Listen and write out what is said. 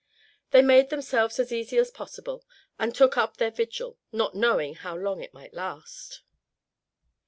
They made themselves as easy as possible, and took up their vigil, not knowing how long it might last.